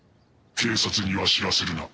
警察には知らせるな」